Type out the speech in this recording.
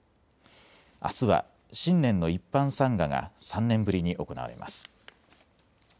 あすは新年の一般参賀が３年ぶりに行われます。